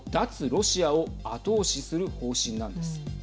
ロシアを後押しする方針なんです。